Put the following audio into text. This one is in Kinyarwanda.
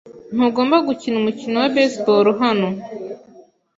Ntugomba gukina umukino wa baseball hano.